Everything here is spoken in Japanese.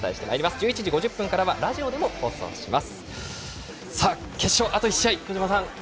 １１時５０分からはラジオでも放送します。